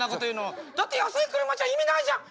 「だって安い車じゃ意味ないじゃん」。